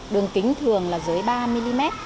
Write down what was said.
đường kính thường là dưới ba mm